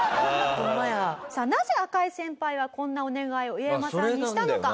さあなぜ赤井先輩はこんなお願いをウエヤマさんにしたのか。